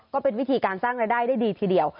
ก็เป็นวิธีการสร้างรายได้ได้ดีทีเดียว